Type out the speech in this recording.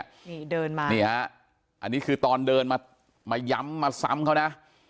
นี่เดินมานี่ฮะอันนี้คือตอนเดินมามาย้ำมาซ้ำเขานะ